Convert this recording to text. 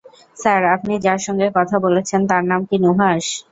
Sir, আপনি যার সঙ্গে কথা বলেছেন তার নাম কি নুহাশ?